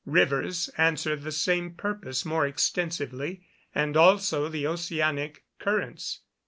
Rivers answer the same purpose more extensively, and also the oceanic currents.